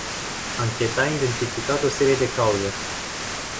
Ancheta a identificat o serie de cauze.